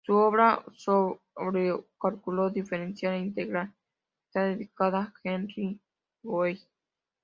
Su obra sobre cálculo diferencial e integral está dedicada a Hermann Weyl.